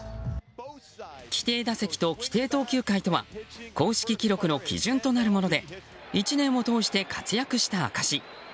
規定打席と規定投球回とは公式記録の基準となるもので１年を通して活躍した証し。